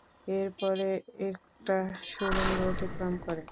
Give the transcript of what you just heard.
এর পরে, একটা সুড়ঙ্গ অতিক্রম করে।